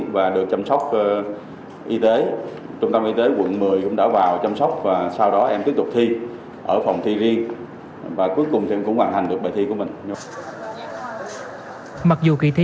với chế thi